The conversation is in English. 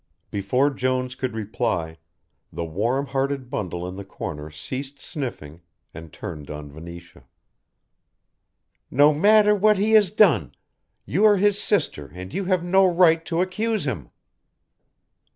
Before Jones could reply, the warm hearted bundle in the corner ceased sniffing and turned on Venetia. "No matter what he has done, you are his sister and you have no right to accuse him."